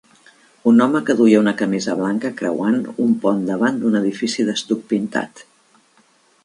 Un home que duia una camisa blanca creuant un pont davant d'un edifici d'estuc pintat.